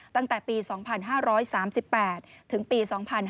ตั้งแต่ปี๒๕๓๘ถึงปี๒๕๕๙